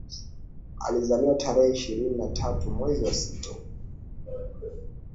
Alizaliwa tarehe ishirioni na tatu mwezi wa sita